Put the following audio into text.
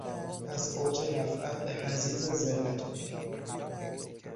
از اوج رفعت به حضیض ذلت افتاد.